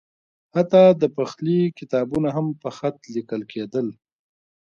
حتی د پخلي کتابونه هم په خط لیکل کېدل.